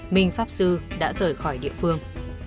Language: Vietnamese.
minh pháp sư đã rời khỏi địa phương